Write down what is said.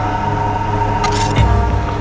แผนขาหล่นปึ้ง